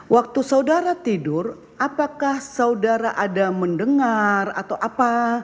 waktu saudara tidur apakah saudara ada mendengar atau apa